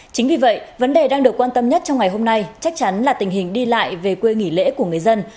chính vì vậy vấn đề đang được quan tâm nhất trong ngày hôm nay chắc chắn là tình hình đi lại về quê nghỉ lễ của người dân